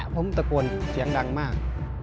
ผมตะโกนเสียงดังมาก